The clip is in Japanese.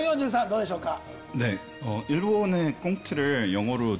どうでしょうか？